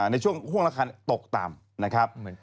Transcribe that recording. ในช่วงห่วงราคาตกต่ำนะครับ